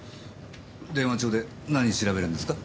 電話帳で何調べるんですか？